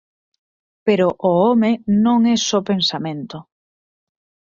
Pero o home non é só pensamento.